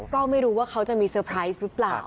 ก็ไม่รู้ว่าเขาจะมีเซอร์ไพรส์หรือเปล่า